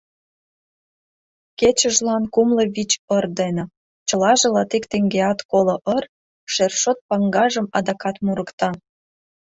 — Кечыжлан кумло вич ыр дене — чылаже латик теҥгеат коло ыр, — шершот паҥгажым адакат мурыкта.